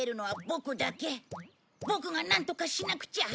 ボクがなんとかしなくちゃ。